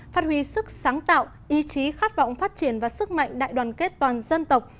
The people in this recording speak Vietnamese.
phát huy sức sáng tạo ý chí khát vọng phát triển và sức mạnh đại đoàn kết toàn dân tộc